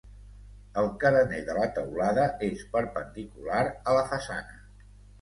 El carener de la teulada és perpendicular a la façana.